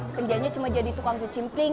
kerjanya cuma jadi tukang ke cimpling